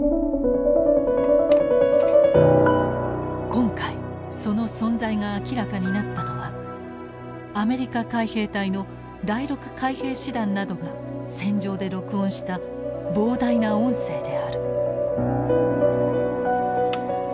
今回その存在が明らかになったのはアメリカ海兵隊の第６海兵師団などが戦場で録音した膨大な音声である。